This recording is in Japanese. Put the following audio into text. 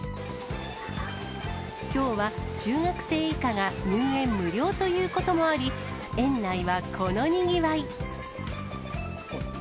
きょうは中学生以下が入園無料ということもあり、園内はこのにぎわい。